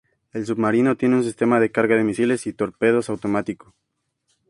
El submarino tiene un sistema de carga de misiles y torpedos automático.